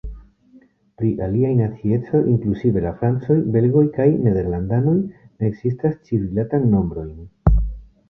Pri aliaj naciecoj inkluzive la francoj, belgoj kaj nederlandanoj ne ekzistas ĉi-rilatajn nombrojn.